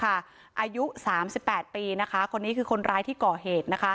อายุ๓๘ปีคนนี้คือคนร้ายที่ก่อเหตุ